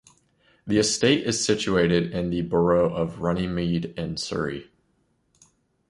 The estate is situated in the Borough of Runnymede in Surrey.